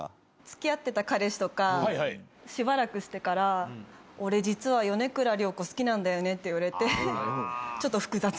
付き合ってた彼氏とかしばらくしてから「俺実は米倉涼子好きなんだよね」って言われてちょっと複雑。